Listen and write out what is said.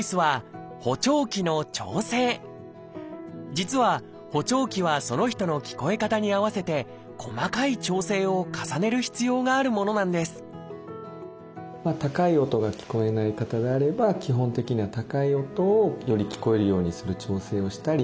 実は補聴器はその人の聞こえ方に合わせて細かい調整を重ねる必要があるものなんです高い音が聞こえない方であれば基本的には高い音をより聞こえるようにする調整をしたり